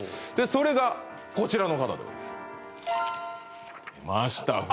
それがこちらの方出ました